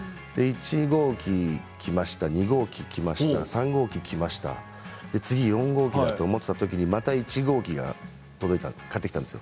１号機来ました、２号機来ました、３号機来ました、次４号機だと思っていたときにまた１号機が届いたんです。